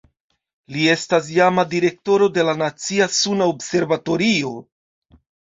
Li estas iama direktoro de la Nacia Suna Observatorio.